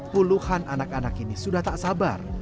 puluhan anak anak ini sudah tak sabar